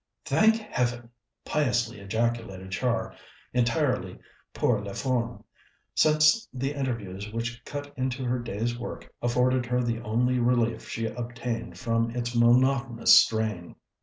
"Thank Heaven!" piously ejaculated Char, entirely pour la forme, since the interviews which cut into her day's work afforded her the only relief she obtained from its monotonous strain.